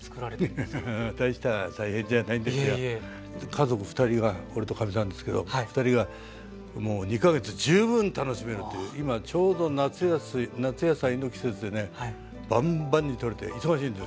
家族二人が俺とかみさんですけど二人がもう２か月十分楽しめるという今ちょうど夏野菜の季節でねバンバンにとれて忙しいんです。